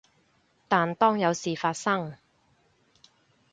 但當有事發生